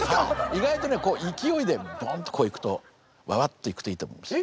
意外とねこう勢いでボンとこういくとババッといくといいと思います。